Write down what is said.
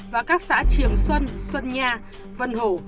và các xã triềng xuân xuân nha vân hổ